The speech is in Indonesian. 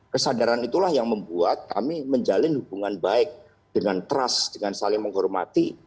kesadaran itulah yang membuat kami menjalin hubungan baik dengan trust dengan saling menghormati